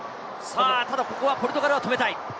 ただここはポルトガルは止めたい。